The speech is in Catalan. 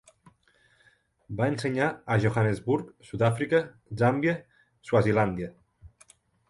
Va ensenyar a Johannesburg, Sud-àfrica, Zàmbia, Swazilàndia.